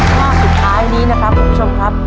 ข้อสุดท้ายนี้นะครับคุณผู้ชมครับ